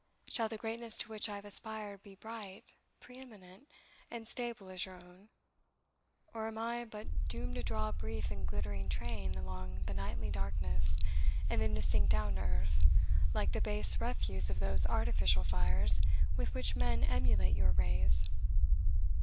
Shall the greatness to which I have aspired be bright, pre eminent, and stable as your own; or am I but doomed to draw a brief and glittering train along the nightly darkness, and then to sink down to earth, like the base refuse of those artificial fires with which men emulate your rays?"